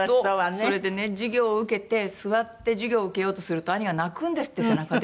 それでね授業を受けて座って授業を受けようとすると兄が泣くんですって背中で。